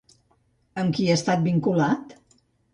Amb qui ha estat vinculat?